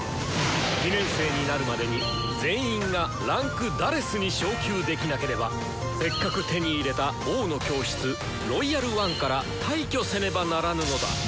２年生になるまでに全員が位階「４」に昇級できなければせっかく手に入れた「王の教室」「ロイヤル・ワン」から退去せねばならぬのだ！